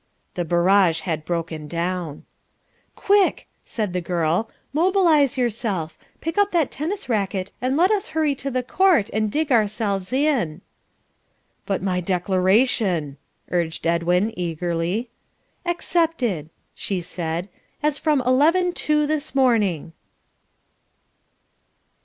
The barrage had broken down. "Quick," said the girl, "mobilize yourself. Pick up that tennis racket and let us hurry to the court and dig ourselves in." "But my declaration," urged Edwin eagerly. "Accepted," she said, "as from eleven two this morning."